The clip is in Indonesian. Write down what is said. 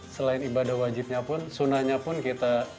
selain ibadah wajibnya pun sunnahnya pun kita lupa juga kan